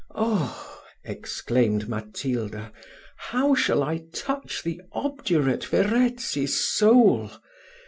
"Oh!" exclaimed Matilda, "how shall I touch the obdurate Verezzi's soul?